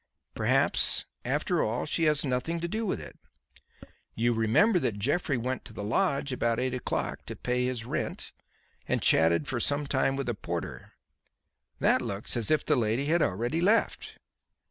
Perhaps, after all, she has nothing to do with it. You remember that Jeffrey went to the lodge about eight o'clock, to pay his rent, and chatted for some time with the porter. That looks as if the lady had already left."